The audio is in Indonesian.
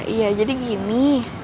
iya jadi gini